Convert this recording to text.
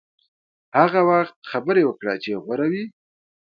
هغه وخت خبرې وکړه چې غوره وي.